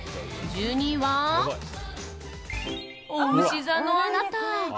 １２位は、おうし座のあなた。